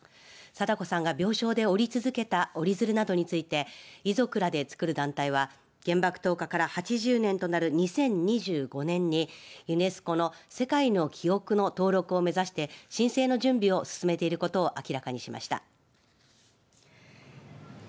禎子さんが病床で折り続けた折り鶴などについて遺族らでつくる団体は原爆投下から８０年となる２０２５年にユネスコの世界の記憶の登録を目指して申請の準備を進めていることを明らかにしました。